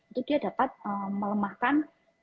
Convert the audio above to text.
itu dia dapat melemahkan